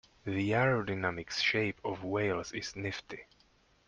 The aerodynamic shape of whales is nifty.